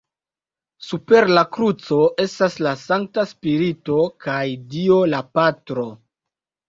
Super la kruco estas la Sankta Spirito kaj dio La Patro.